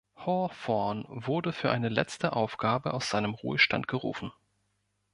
Hawthorne wurde für eine letzte Aufgabe aus seinem Ruhestand gerufen.